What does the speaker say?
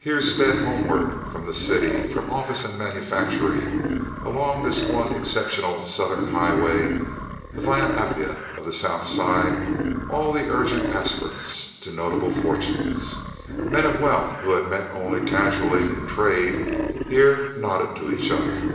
Here sped homeward from the city—from office and manufactory—along this one exceptional southern highway, the Via Appia of the South Side, all the urgent aspirants to notable fortunes. Men of wealth who had met only casually in trade here nodded to each other.